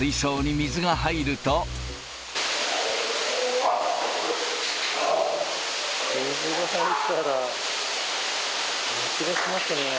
水が入ったら、鳴きだしましたね。